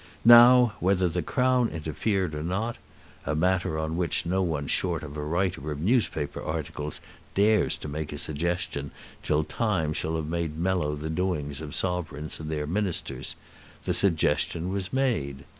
Now, whether the Crown interfered or not, a matter on which no one short of a writer of newspaper articles dares to make a suggestion till time shall have made mellow the doings of sovereigns and their ministers, the suggestion was made.